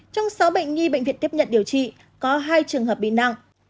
trong sáu bệnh nhi bệnh viện tiếp nhận điều trị có hai trường hợp bị nặng